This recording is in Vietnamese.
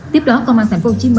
tiếp đó công an tp hcm